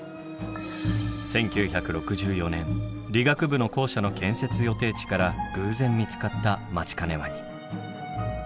１９６４年理学部の校舎の建設予定地から偶然見つかったマチカネワニ。